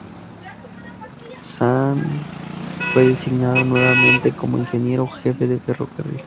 Zhan fue designado nuevamente como ingeniero jefe del ferrocarril.